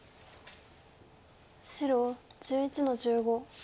白１１の十五。